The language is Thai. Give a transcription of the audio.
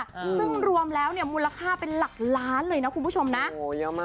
ซึ่งรวมแล้วเนี่ยมูลค่าเป็นหลักล้านเลยนะคุณผู้ชมนะโหเยอะมาก